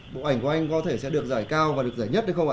bộ ảnh của anh có thể sẽ được giải cao và được giải nhất hay không ạ